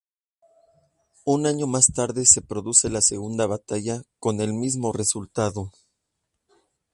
Un año más tarde se produce la segunda batalla con el mismo resultado.